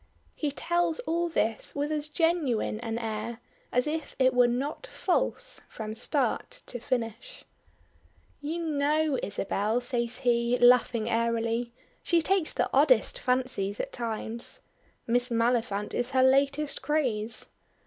'" He tells all this with as genuine an air as if it was not false from start to finish. "You know Isabel," says he, laughing airily; "she takes the oddest fancies at times. Miss Maliphant is her latest craze.